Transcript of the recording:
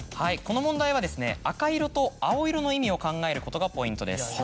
この問題は赤色と青色の意味を考えることがポイントです。